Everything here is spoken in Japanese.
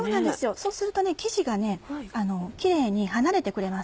そうすると生地がキレイに離れてくれます。